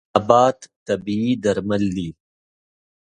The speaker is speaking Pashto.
نبات طبیعي درمل دی.